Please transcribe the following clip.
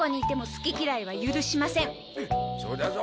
そうだぞ。